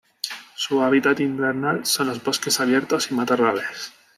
Su hábitat invernal son los bosques abiertos y matorrales.